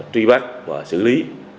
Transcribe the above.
tri bác và xử lý